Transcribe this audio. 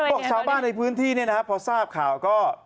พวกชาวบ้านในพื้นที่พอทราบข่าก็